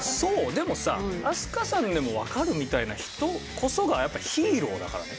でもさ飛鳥さんでもわかるみたいな人こそがやっぱヒーローだからね。